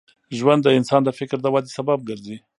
ژوند د انسان د فکر د ودې سبب ګرځي.